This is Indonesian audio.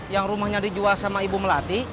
yang rumahnya dijual sama ibu melati